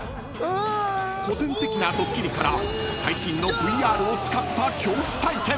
［古典的なドッキリから最新のＶＲを使った恐怖体験］